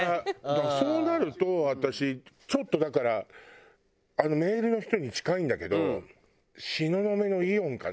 だからそうなると私ちょっとだからあのメールの人に近いんだけど東雲のイオンかな。